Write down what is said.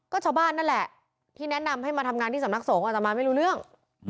ก็ชาวบ้านนั่นแหละที่แนะนำให้มาทำงานที่สำนักสงฆ์อาจจะมาไม่รู้เรื่อง